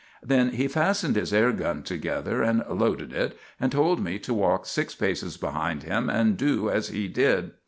Then he fastened his air gun together and loaded it, and told me to walk six paces behind him and do as he did.